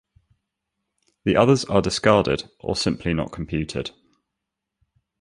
The others are discarded, or simply not computed.